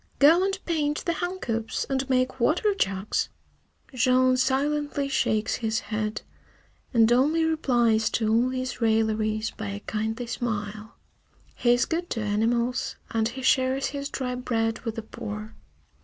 Go and paint the hen coops and make water jugs!" Jean silently shakes his head, and only replies to all these railleries by a kindly smile. He is good to animals, and he shares his dry bread with the poor.